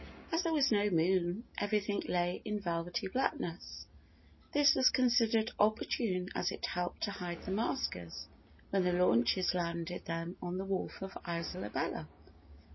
As there was no moon everything lay in velvety blackness. This was considered opportune as it helped to hide the maskers when the launches landed them on the wharf of Isola Bella.